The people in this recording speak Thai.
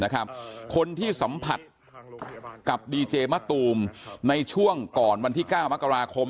คนที่สัมผัสกับดีเจมะตูมในช่วงก่อนวันที่๙มกราคม